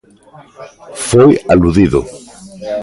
Foi aludido.